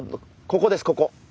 ここですここ！